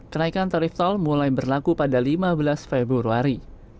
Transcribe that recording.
kenaikan tarif tol mulai berlaku pada lima belas februari